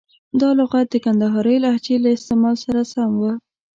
دا لغت د کندهارۍ لهجې له استعمال سره سم و.